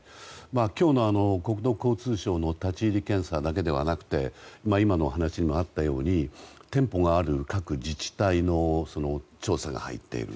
今日の国土交通省の立ち入り検査だけではなくて今の話にもあったように店舗がある各自治体の調査が入っている。